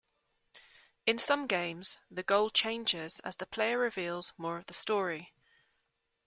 In some games, the goal changes as the player reveals more of the story.